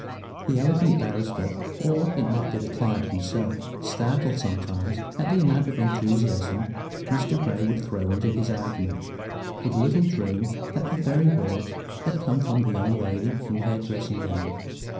The eloquent barrister, or it might be the client himself, startled sometimes at the amount of enthusiasm which Mr. Grey would throw into his argument, would little dream that the very words had come from the young lady in her dressing gown.